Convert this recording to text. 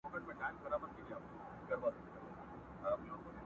o خبره د خبري څخه زېږي٫